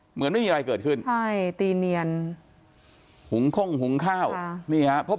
เหมือนไม่มีอะไรเกิดขึ้นใช่ตีเนียนหุงข้งหุงข้าวค่ะนี่ฮะพบ